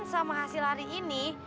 sama hasil hari ini